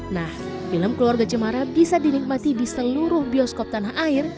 nah film keluarga cemara bisa dinikmati di seluruh bioskop tanah air